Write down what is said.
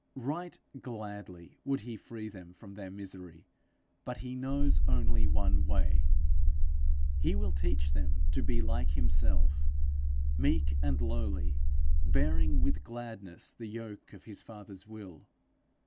Right gladly would he free them from their misery but he knows only one way: he will teach them to be like himself, meek and lowly, bearing with gladness the yoke of his father's will.